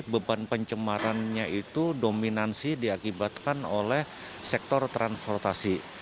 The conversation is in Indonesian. beban pencemarannya itu dominansi diakibatkan oleh sektor transportasi